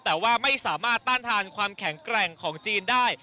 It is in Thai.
แต่ว่าไม่สามารถต้านทานความแข็งแกร่งของจีนได้